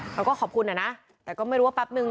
เขาก็ขอบคุณนะแต่ก็ไม่รู้ว่าแป๊บนึง